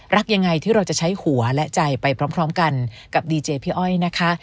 รักยังไงที่เราจะใช้หัวและใจไปพร้อมกันกับดีเจพี่อ้อยนะคะ